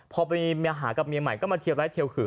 พอไปมีเมียหากับเมียใหม่ก็มาเทียบร้ายเทียบขื่อ